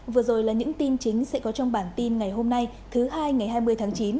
vừa rồi là những tin chính sẽ có trong bản tin ngày hôm nay thứ hai ngày hai mươi tháng chín